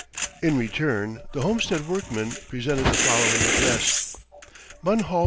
In return, the Homestead workmen presented the following address: _Munhall, Pa.